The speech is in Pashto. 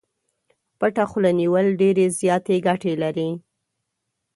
پټه خوله نيول ډېرې زياتې ګټې لري.